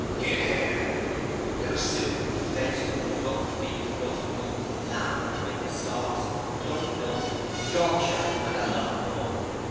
(Hear, hear.) There was soup, vegetables, roast beef, roast mutton, lamb and mint sauce, plum duff, Yorkshire, and a lot more.